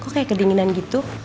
kok kayak kedinginan gitu